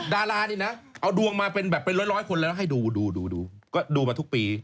ดารานี่นะเอาดวงมาเป็นแบบเป็นร้อยคนเลยนะให้ดูดูก็ดูมาทุกปี